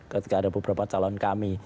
ketika ada beberapa calon kami